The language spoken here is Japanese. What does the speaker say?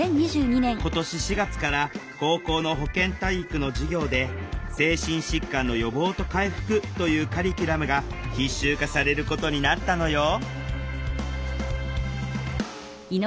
今年４月から高校の保健体育の授業で「精神疾患の予防と回復」というカリキュラムが必修化されることになったのよ